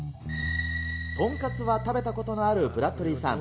豚カツは食べたことのあるブラッドリーさん。